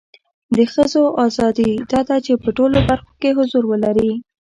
د خځو اذادی دا ده چې په ټولو برخو کې حضور ولري